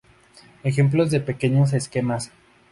Ejemplos de pequeños esquemas.